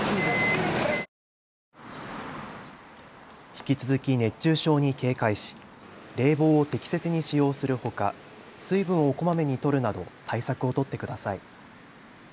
引き続き熱中症に警戒し、冷房を適切に使用するほか水分をこまめにとるなど対策を取ってください。